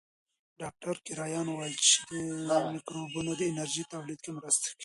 ډاکټر کرایان وویل چې مایکروبونه د انرژۍ تولید کې مرسته کوي.